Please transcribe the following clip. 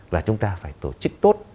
là chúng ta phải tổ chức tốt